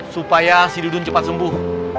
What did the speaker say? supaya si dudun cepat sembuh